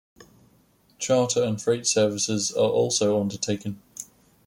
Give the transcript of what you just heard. Charter and freight services are also undertaken.